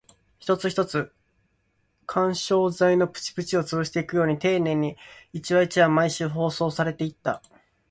一つ一つ、緩衝材のプチプチを潰していくように丁寧に、一話一話、毎週放送されていった